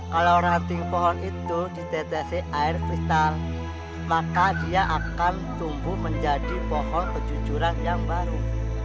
kalau ranting pohon itu ditetesi air vital maka dia akan tumbuh menjadi pohon kejujuran yang baru